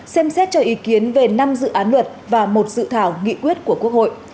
xem xét cho ý kiến về năm dự án luật và một dự thảo nghị quyết của quốc hội